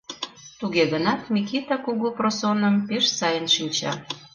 Туге гынат Микита Кугу проносым пеш сайын шинча.